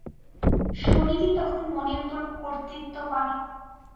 শরীরই তখন মনের উপর কর্তৃত্ব করে।